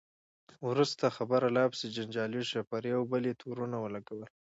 وروسته خبره لا پسې جنجالي شوه، پر یو بل یې تورونه ولګول.